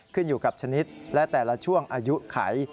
ขึ้นอยู่กับชนิดและแต่ละช่วงอายุไข